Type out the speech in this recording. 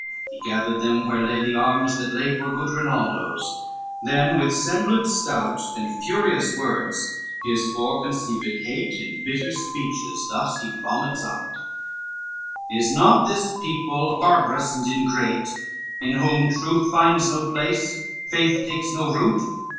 LXIII He gathered them where lay the arms that late Were good Rinaldo's; then with semblance stout And furious words his fore conceived hate In bitter speeches thus he vomits out; "Is not this people barbarous and ingrate, In whom truth finds no place, faith takes no rout?